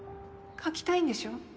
描きたいんでしょ？